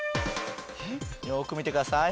よく見てください。